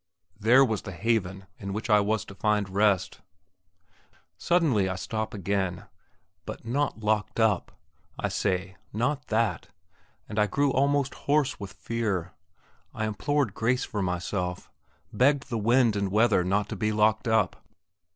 There was the haven in which I was to find rest. Suddenly I stop again. But not locked up! I say, not that; and I grew almost hoarse with fear. I implored grace for myself; begged to the wind and weather not to be locked up.